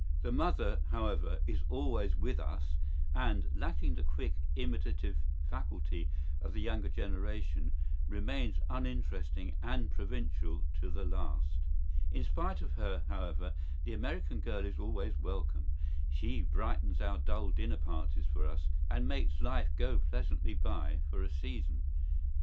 ¬Ý The mother, however, is always with us, and, lacking the quick imitative faculty of the younger generation, remains uninteresting and provincial to the last.¬Ý In spite of her, however, the American girl is always welcome.¬Ý She brightens our dull dinner parties for us and makes life go pleasantly by for a season.